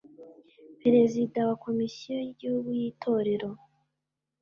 perezida wa komisiyo y'igihugu y'itorero